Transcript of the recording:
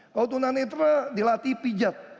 kalau tunanetra dilatih pijat